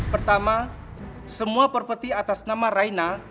pertama semua properti atas nama raina